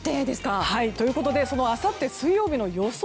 ということで、あさって水曜日の予想